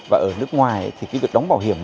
và ở nước ngoài thì cái việc đóng bảo hiểm